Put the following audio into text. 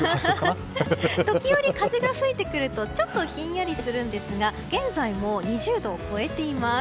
時折、風が吹いてくるとちょっとひんやりするんですが現在も２０度を超えています。